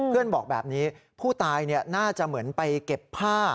บอกแบบนี้ผู้ตายน่าจะเหมือนไปเก็บผ้า